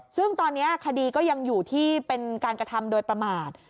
ซึ่งตอนนี้คดีก็ยังอยู่ที่เป็นการกระทำโดยประมาท